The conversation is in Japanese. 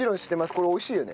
これ美味しいよね。